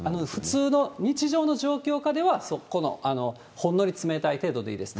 普通の日常の状況下では、このほんのり冷たい程度でいいです。